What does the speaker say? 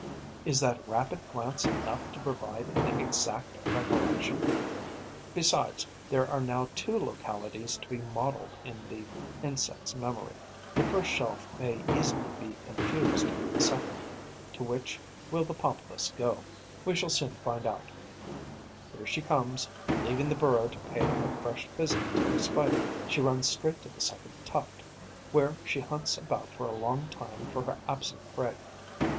Is that rapid glance enough to provide an exact recollection? Besides, there are now two localities to be modelled in the insect's memory: the first shelf may easily be confused with the second. To which will the Pompilus go? We shall soon find out: here she comes, leaving the burrow to pay a fresh visit to the Spider. She runs straight to the second tuft, where she hunts about for a long time for her absent prey.